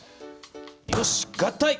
よし合体。